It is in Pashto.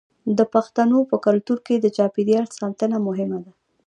د پښتنو په کلتور کې د چاپیریال ساتنه مهمه ده.